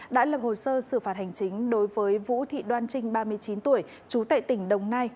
đã lập hồ sơ xử phạt hành chính đối với vũ thị đoan trinh ba mươi chín tuổi trú tại tỉnh đồng nai